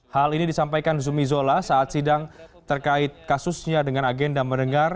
hal ini disampaikan zumi zola saat sidang terkait kasusnya dengan agenda mendengar